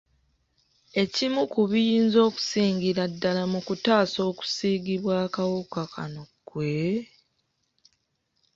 Ekimu ku biyinza okusingira ddala mu kutaasa okusiigibwa akawuka kano kwe